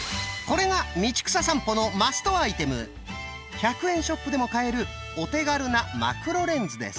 １００円ショップでも買えるお手軽なマクロレンズです。